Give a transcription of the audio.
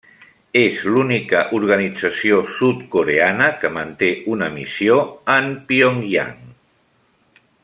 És l'única organització sud-coreana que manté una missió en Pyongyang.